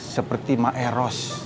seperti ma eros